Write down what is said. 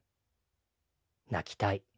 泣きたい。